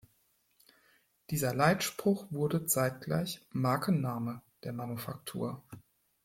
Dieser Leitspruch wurde zeitgleich Markenname der Manufaktur.